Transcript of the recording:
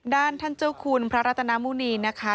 ท่านเจ้าคุณพระรัตนามุณีนะคะ